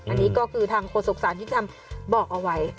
อันนี้ก็คือทางโฆษกสารยุติธรรมบอกเอาไว้